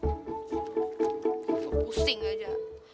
gue pusing aja